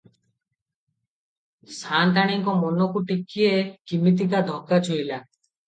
ସା’ନ୍ତାଣୀଙ୍କ ମନକୁ ଟିକିଏ କିମିତିକା ଧୋକା ଛୁଇଁଲା ।